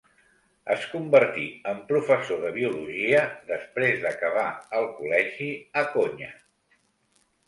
Es convertí en professor de biologia després d'acabar el col·legi a Konya.